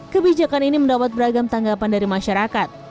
kebijakan ini mendapat beragam tanggapan dari masyarakat